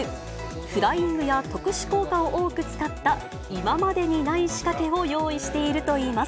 フライングや特殊効果を多く使った今までにない仕掛けを用意しているといいます。